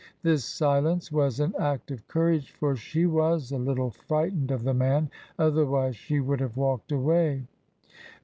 This silence was an act of courage, for she was a little frightened of the man; otherwise she would have walked away.